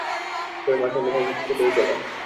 সুরমা সঙ্গে সঙ্গে কিছুদূর গেল।